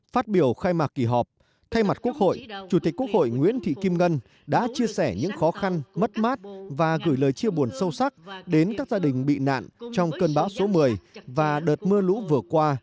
phát biểu khai mạc kỳ họp thay mặt quốc hội chủ tịch quốc hội nguyễn thị kim ngân đã chia sẻ những khó khăn mất mát và gửi lời chia buồn sâu sắc đến các gia đình bị nạn trong cơn bão số một mươi và đợt mưa lũ vừa qua